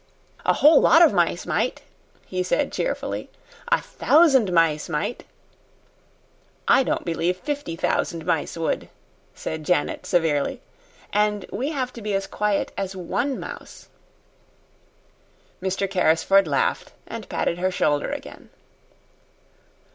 "A whole lot of mice might," he said cheerfully. "A thousand mice might." "I don't believe fifty thousand mice would," said Janet, severely; "and we have to be as quiet as one mouse." Mr. Carrisford laughed and patted her shoulder again.